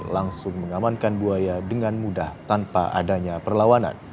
langsung mengamankan buaya dengan mudah tanpa adanya perlawanan